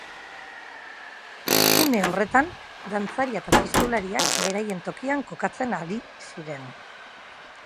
Une horretan, dantzaria eta txistulariak beraien tokian kokatzen ari ziren.